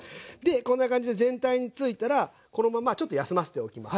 こんな感じで全体についたらこのままちょっと休ませておきます。